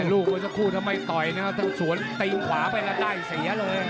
ลูกมันสักครู่ทำไมต่อยเนี่ยสวนตีงขวาไปแล้วได้เสียเลย